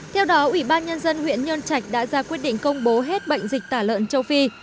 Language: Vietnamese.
theo đó ủy ban nhân dân huyện nhân trạch đã ra quyết định công bố hết bệnh dịch tả lợn châu phi